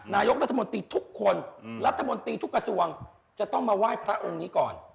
นายกรัฐมนตรีทุกคนรัฐมนตรีทุกกระทรวงจะต้องมาไหว้พระองค์นี้ก่อน